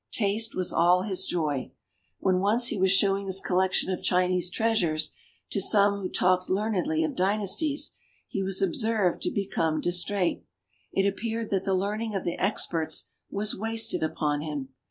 Taste was all his joy. When once he was showing his collection of Chinese treasures to some who talked learnedly of dynasties, he was observed to be come distrait. It appeared that the learning of the experts was wasted upon him.